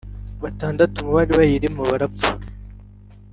batandatu mu bari bayirimo barapfa